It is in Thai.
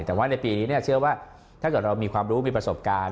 แต่ว่าในปีนี้เชื่อว่าถ้าเกิดเรามีความรู้มีประสบการณ์